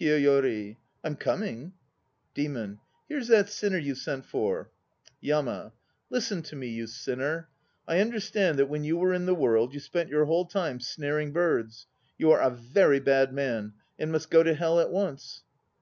KIYOYORI. I'm coming. DEMON. Here's that sinner you sent for. YAMA. Listen to me, you sinner. I understand that when you were in thr world you spent your whole time snaring birds. You are a very bad man and must go to Hell at once.